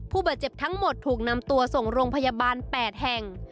ผู้บาดเจ็บทั้งหมดถูกนำตัวส่งโรงพยาบาล๘แห่ง